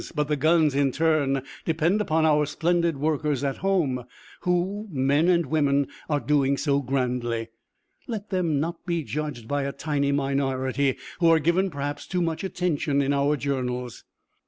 But the guns, in turn, depend upon our splendid workers at home, who, men and women, are doing so grandly. Let them not be judged by a tiny minority, who are given, perhaps, too much attention in our journals.